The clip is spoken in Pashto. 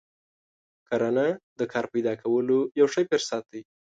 کرنه د کار پیدا کولو یو ښه فرصت دی.